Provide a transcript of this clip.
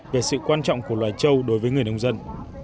về sự quan trọng của loài trâu đối với người nông dân